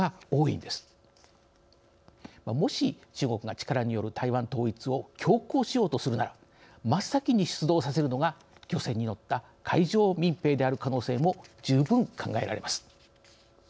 もし中国が力による台湾統一を強行しようとするなら真っ先に出動させるのが漁船に乗った海上民兵である可能性も十分考えられます。